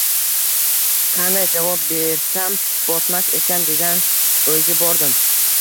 Qanday javob bersam “botmas” ekin degan o’yga bordim.